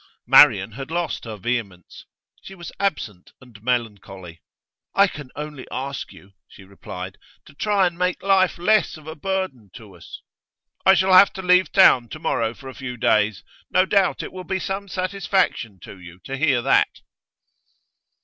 Marian had lost her vehemence. She was absent and melancholy. 'I can only ask you,' she replied, 'to try and make life less of a burden to us.' 'I shall have to leave town to morrow for a few days; no doubt it will be some satisfaction to you to hear that.